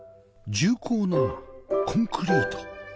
重厚なコンクリート